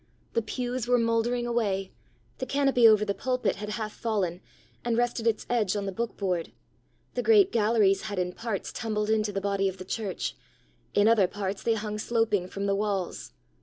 The pews were mouldering away; the canopy over the pulpit had half fallen, and rested its edge on the book board; the great galleries had in parts tumbled into the body of the church, in other parts they hung sloping from the walls.